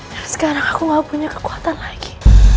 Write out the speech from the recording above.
dan sekarang aku gak punya kekuatan lagi